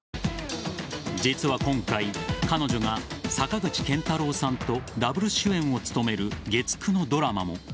実は今回、彼女が坂口健太郎さんとダブル主演を務める月９のドラマも。